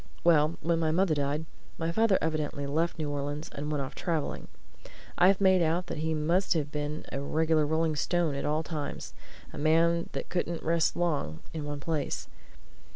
Well, when my mother died, my father evidently left New Orleans and went off travelling. I've made out that he must have been a regular rolling stone at all times a man that couldn't rest long in one place.